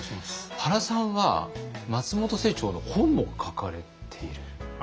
原さんは松本清張の本も書かれている？